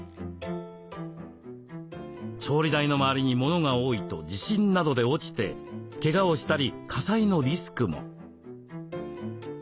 調理台の周りに物が多いと地震などで落ちてけがをしたり火災のリスクも。